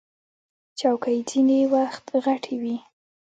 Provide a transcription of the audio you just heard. چوکۍ ځینې وخت غټې وي.